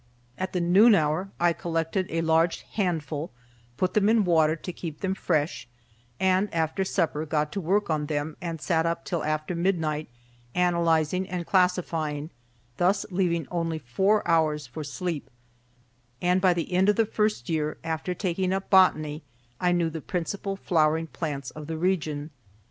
At the noon hour I collected a large handful, put them in water to keep them fresh, and after supper got to work on them and sat up till after midnight, analyzing and classifying, thus leaving only four hours for sleep; and by the end of the first year, after taking up botany, I knew the principal flowering plants of the region.